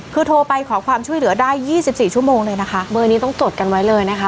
คือโทรไปขอความช่วยเหลือได้ยี่สิบสี่ชั่วโมงเลยนะคะเบอร์นี้ต้องจดกันไว้เลยนะคะ